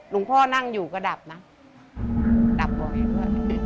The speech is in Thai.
พ่อนั่งอยู่ก็ดับนะดับบ่อยด้วย